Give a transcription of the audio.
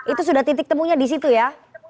itu sudah titik temunya di situ ya